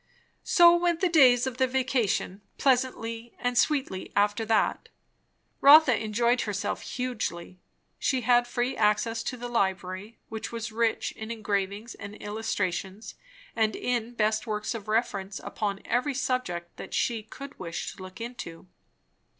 So went the days of the vacation, pleasantly and sweetly after that. Rotha enjoyed herself hugely. She had free access to the library, which was rich in engravings and illustrations, and in best works of reference upon every subject that she could wish to look into.